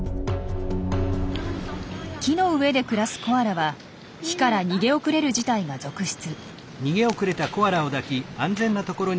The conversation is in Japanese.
木の上で暮らすコアラは火から逃げ遅れる事態が続出。